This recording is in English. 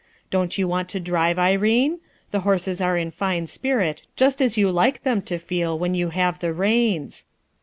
Don't you want to drive, Irene? The horses are in fine spirit, just as A CRISIS 309 you like them to feel when you have the reins.